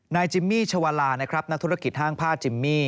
นายจิมมี่ชวาลานักธุรกิจห้างผ้าจิมมี่